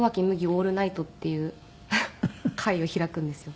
オールナイトっていう会を開くんですよ。